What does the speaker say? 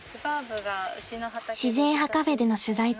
［自然派カフェでの取材中